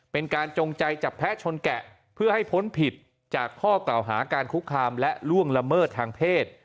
เป็นการจงใจจับแพ้ชนแกะเพื่อให้พ้นผิดจากข้อกล่าวหาการคุกคามและล่วงละเมิดทางเพศ